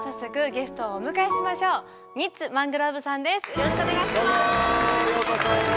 よろしくお願いします。